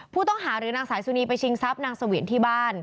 ผู้ต้องหาหรือนางสายสุนีไปชิงทรัพย์นางเสวียนที่บ้าน